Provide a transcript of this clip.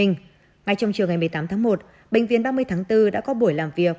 ngay trong chiều ngày một mươi tám tháng một bệnh viện ba mươi tháng bốn đã có buổi làm việc